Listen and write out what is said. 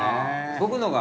僕のが。